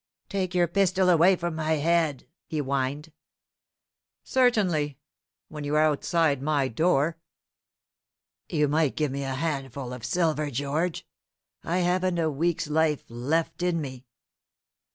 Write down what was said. "Take your pistol away from my head," he whined. "Certainly, when you are outside my door." "You might give me a handful of silver, George. I haven't a week's life left in me."